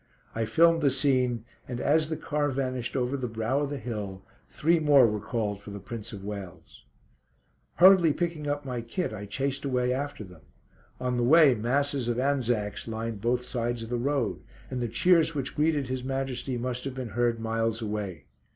I filmed the scene, and as the car vanished over the brow of the hill, three more were called for the Prince of Wales. Hurriedly picking up my kit I chased away after them. On the way masses of Anzacs lined both sides of the road, and the cheers which greeted His Majesty must have been heard miles away.